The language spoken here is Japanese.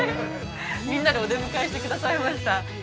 みんなでお出迎えしてくださいました